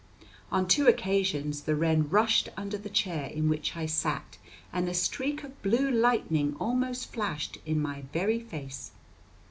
On two occasions the wren rushed under the chair in which I sat, and a streak of blue lightning almost flashed in my very face.